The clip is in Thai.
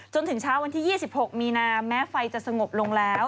จนถึงเช้าวันที่๒๖มีนาแม้ไฟจะสงบลงแล้ว